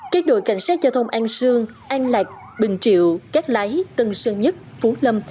các đội cảnh sát giao thông an sương an lạc bình triệu cát lái tân sơn nhất phú lâm